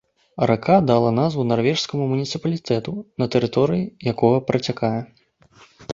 Рака дала назву нарвежскаму муніцыпалітэту, па тэрыторыі якога працякае.